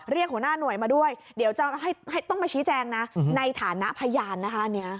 หัวหน้าหน่วยมาด้วยเดี๋ยวจะให้ต้องมาชี้แจงนะในฐานะพยานนะคะ